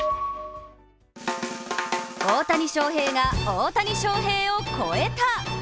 大谷翔平が大谷翔平を超えた！